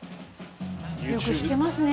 よく知ってますね。